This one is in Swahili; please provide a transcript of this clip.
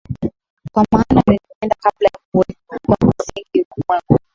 kwa maana ulinipenda kabla ya kuwekwa msingi ulimwengu